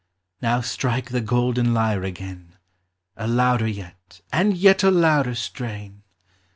Now strike the golden lyre again : A louder yet, and yet a louder strain.